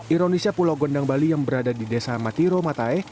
ironisnya pulau gondang bali yang berada di desa matiro matae